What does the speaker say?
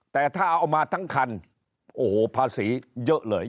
แต่ถ้าเอามาทั้งคันโอ้โหภาษีเยอะเลย